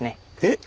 えっ。